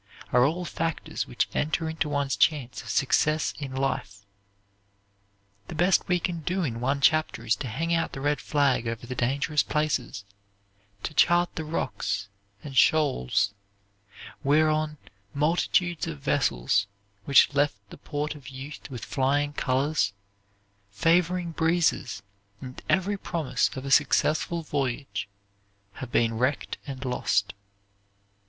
are all factors which enter into one's chance of success in life. The best we can do in one chapter is to hang out the red flag over the dangerous places; to chart the rocks and shoals, whereon multitudes of vessels, which left the port of youth with flying colors, favoring breezes and every promise of a successful voyage, have been wrecked and lost.